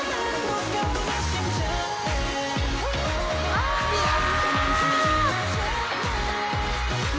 ああ！